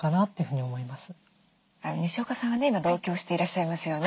にしおかさんは今同居してらっしゃいますよね？